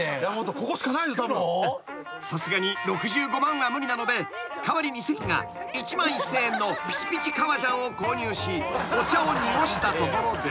［さすがに６５万は無理なので代わりに関が１万１，０００円のぴちぴち革ジャンを購入しお茶を濁したところで］